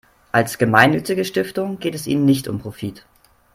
Als gemeinnützige Stiftung geht es ihnen nicht um Profit.